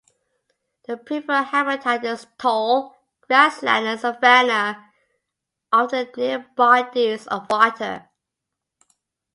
The preferred habitat is tall grassland and savanna, often near bodies of water.